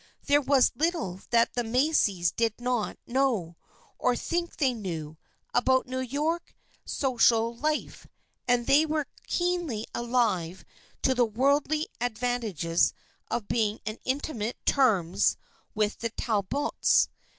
There was little that the Macys did not know, or think they knew, about New York social life, and they were keenly alive to the worldly ad vantages of being on intimate terms with the Tal bots.